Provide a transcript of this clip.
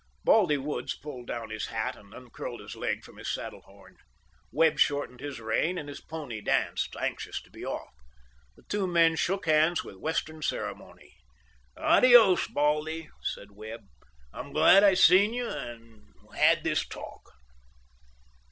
'" Baldy Woods pulled down his hat, and uncurled his leg from his saddle horn. Webb shortened his rein, and his pony danced, anxious to be off. The two men shook hands with Western ceremony. "Adios, Baldy," said Webb, "I'm glad I seen you and had this talk."